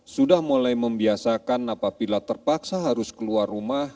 sudah mulai membiasakan apabila terpaksa harus keluar rumah